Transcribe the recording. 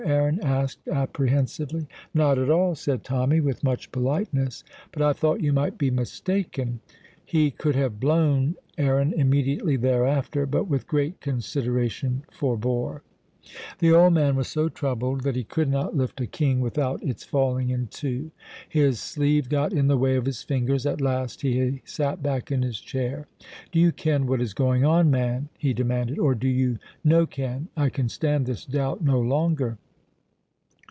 Aaron asked apprehensively. "Not at all," said Tommy, with much politeness, "but I thought you might be mistaken." He could have "blown" Aaron immediately thereafter, but, with great consideration, forbore. The old man was so troubled that he could not lift a king without its falling in two. His sleeve got in the way of his fingers. At last he sat back in his chair. "Do you ken what is going on, man?" he demanded, "or do you no ken? I can stand this doubt no longer."